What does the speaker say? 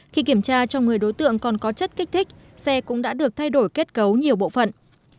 khi kiểm tra trong người đối tượng còn có chất kích thích xe cũng đã được thay đổi kết cấu nhiều bộ phận